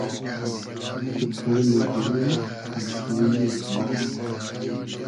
تو ݖۉنی دیلی کئم ݖۉیی از مۂ